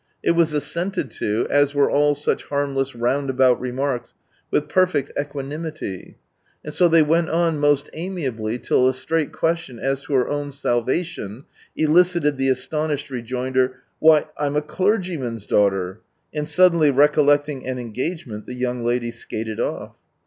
It was assented to, as were all such harmless roundabout remarks, with perfect equanimity ; and so they went on most amiably, till a straight question, as to her own salvation, elicited the astonished rejoinder, " Why ! I'm a clergy "inn's daughter !" and suddenly recollecting an engagement the young lady skated off.